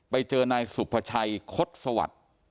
ไปเจอนายสุภาชัยคดสวัสดิ์